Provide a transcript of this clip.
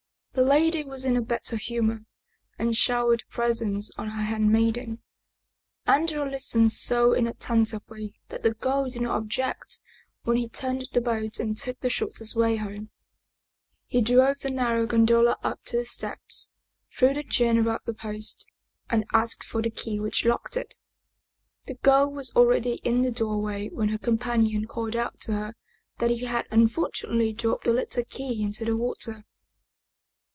The lady was in a better humor, and showered presents on her handmaiden. Andrea listened so inattentively that the girl did not object when he turned the boat and took the shortest way home. He drove the narrow gondola up to the steps, threw the chain around the post, and asked for the key which locked it. The girl was already in the door way when her companion called out to her that he had un fortunately dropped the little key into the water.